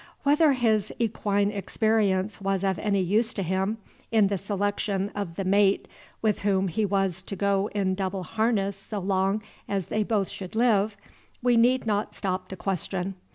Whether his equine experience was of any use to him in the selection of the mate with whom he was to go in double harness so long as they both should live, we need not stop to question.